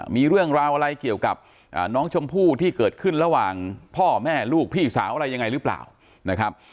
มีเรื่องราวอะไรเกี่ยวกับน้องชมพู่ที่เกิดขึ้นระหว่างพ่อแม่ลูกพี่สาวอะไรยังไงหรือเปล่านะครับ